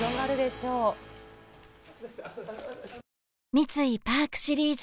三井パークシリーズ